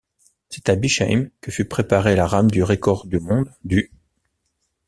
C'est à Bischheim que fut préparée la rame du record du monde du.